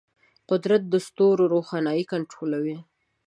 قدرت د ستورو روښنايي کنټرولوي.